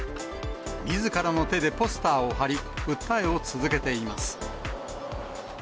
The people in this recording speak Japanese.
みずからの手でポスターを貼り、訴えを続けています。